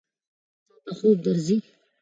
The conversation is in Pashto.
تا ته خوب درځي؟